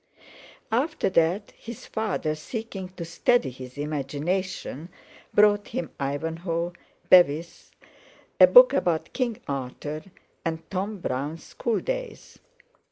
After that, his father, seeking to steady his imagination, brought him Ivanhoe, Bevis, a book about King Arthur, and Tom Brown's Schooldays.